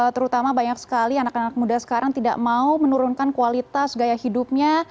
terutama banyak sekali anak anak muda sekarang tidak mau menurunkan kualitas gaya hidupnya